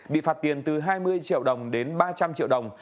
bị phạt tiền từ hai mươi triệu đồng đến ba trăm linh triệu đồng